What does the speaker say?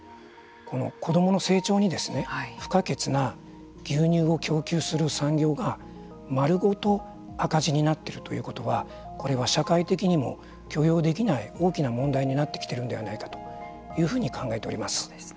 子どもの成長に不可欠な牛乳を供給する産業が丸ごと赤字になってるということはこれは社会的にも許容できない大きな問題になってきているんじゃないかというふうに考えております。